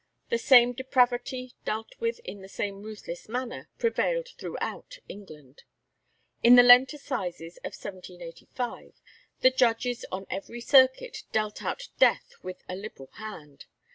The same depravity, dealt with in the same ruthless manner, prevailed throughout England. In the Lent Assizes of 1785 the judges on every circuit dealt out death with a liberal hand.